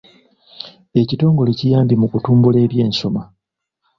Ekitongole kiyambye mu kutumbula eby'ensoma.